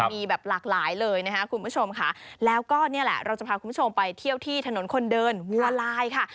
มีแบบหลากหลายเลยนะคะคุณผู้ชมค่ะแล้วก็นี่แหละเราจะพาคุณผู้ชมไปเที่ยวที่ถนนคนเดินวัวลายค่ะ